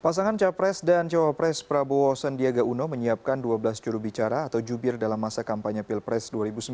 pasangan capres dan cawapres prabowo sandiaga uno menyiapkan dua belas jurubicara atau jubir dalam masa kampanye pilpres dua ribu sembilan belas